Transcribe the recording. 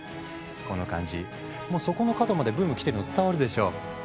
この感じもうそこの角までブーム来てるの伝わるでしょ？